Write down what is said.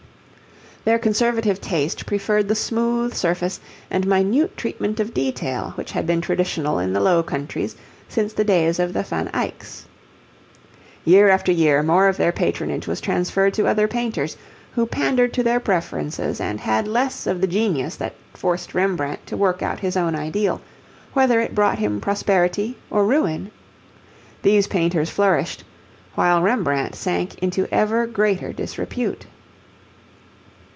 Their conservative taste preferred the smooth surface and minute treatment of detail which had been traditional in the Low Countries since the days of the Van Eycks. Year after year more of their patronage was transferred to other painters, who pandered to their preferences and had less of the genius that forced Rembrandt to work out his own ideal, whether it brought him prosperity or ruin. These painters flourished, while Rembrandt sank into ever greater disrepute.